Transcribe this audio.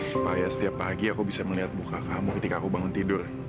supaya setiap pagi aku bisa melihat buka kamu ketika aku bangun tidur